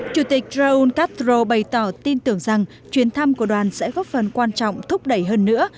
chủ tịch raul castro bày tỏ tin tưởng rằng chuyến thăm của đoàn sẽ góp phần quan trọng thúc đẩy hơn nữa